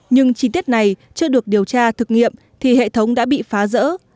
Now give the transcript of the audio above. nhưng chi tiết này chưa được điều tra thực nghiệm thì hệ thống đã bị phá rỡ